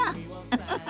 フフフフ。